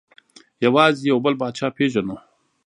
یوازې یو بل پاچا پېژنو.